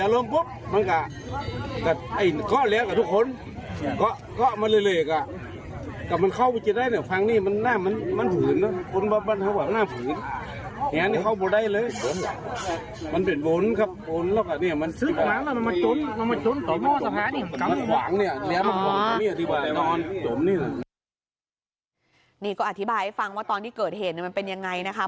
นี่ก็อธิบายให้ฟังว่าตอนที่เกิดเหตุมันเป็นยังไงนะคะ